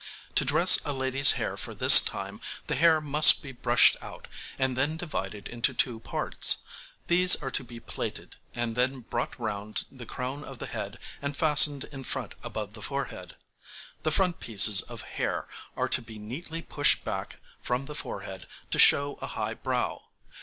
To dress a lady's hair for this time the hair must be brushed out, and then divided into two parts: these are to be plaited, and then brought round the crown of the head and fastened in front above the forehead. The front pieces of hair are to be neatly pushed back from the forehead, to show a high brow.